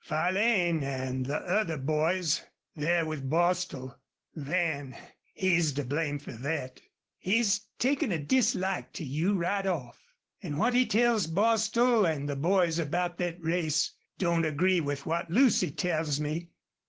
Farlane an' the other boys, they're with Bostil. Van he's to blame fer thet. He's takin' a dislike to you, right off. An' what he tells Bostil an' the boys about thet race don't agree with what Lucy tells me.